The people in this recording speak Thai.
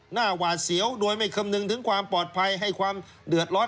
หวาดเสียวโดยไม่คำนึงถึงความปลอดภัยให้ความเดือดร้อน